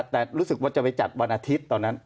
แต่รู้สึกว่าจะไปจัดวันอาทิตย์ตอนนั้น